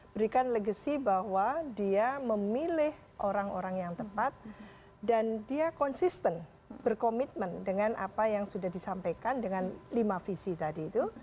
berikan legacy bahwa dia memilih orang orang yang tepat dan dia konsisten berkomitmen dengan apa yang sudah disampaikan dengan lima visi tadi itu